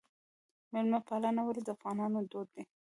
میلمه پالنه ولې د افغانانو دود دی؟